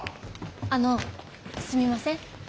あのすみません。